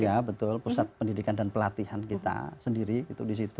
ya betul pusat pendidikan dan pelatihan kita sendiri gitu disitu